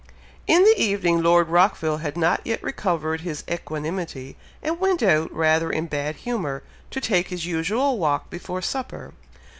In the evening, Lord Rockville had not yet recovered his equanimity, and went out, rather in bad humour, to take his usual walk before supper.